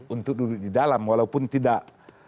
untuk duduk di dalam walaupun tidak